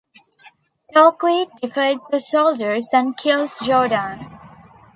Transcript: Torque defeats the soldiers and kills Jordan.